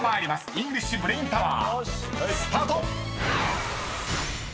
イングリッシュブレインタワースタート！］